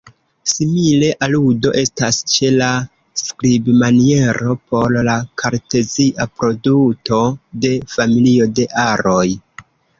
Simile aludo estas ĉe la skribmaniero por la kartezia produto de familio de aroj.